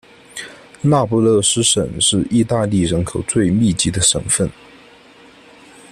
那不勒斯省是意大利人口最密集的省份。